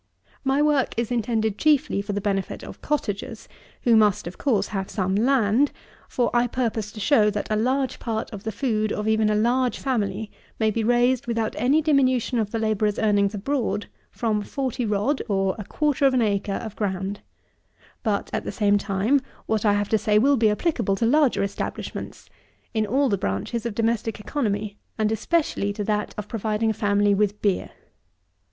35. My work is intended chiefly for the benefit of cottagers, who must, of course, have some land; for, I purpose to show, that a large part of the food of even a large family may be raised, without any diminution of the labourer's earnings abroad, from forty rod, or a quarter of an acre, of ground; but at the same time, what I have to say will be applicable to larger establishments, in all the branches of domestic economy: and especially to that of providing a family with beer.